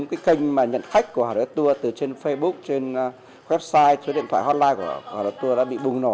những cái kênh mà nhận khách của hlt tour từ trên facebook trên website trên điện thoại hotline của hlt tour đã bị bùng nổ